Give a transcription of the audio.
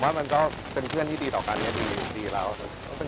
คือเราคุยกันเหมือนเดิมตลอดเวลาอยู่แล้วไม่ได้มีอะไรสูงแรง